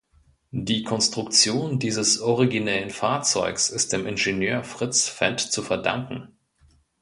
Die Konstruktion dieses originellen Fahrzeugs ist dem Ingenieur Fritz Fend zu verdanken.